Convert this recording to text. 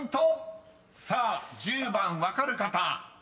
［さあ１０番分かる方］